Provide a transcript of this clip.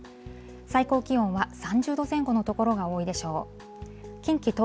最高気温は３０度前後の所が多いでしょう。